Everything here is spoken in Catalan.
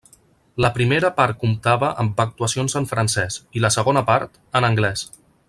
La primera part comptava amb actuacions en francès, i la segona part, en anglès.